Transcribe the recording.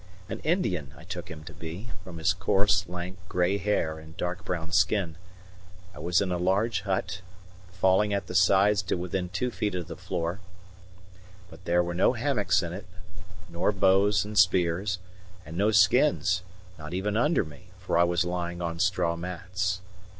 An Indian I took him to be, from his coarse, lank, grey hair and dark brown skin. I was in a large hut, falling at the sides to within two feet of the floor; but there were no hammocks in it, nor bows and spears, and no skins, not even under me, for I was lying on straw mats.